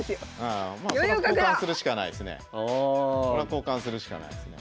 交換するしかないですね。